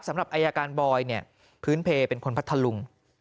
สำหรับอายการบอยเนี่ยพื้นเพลเป็นคนพัทธลุง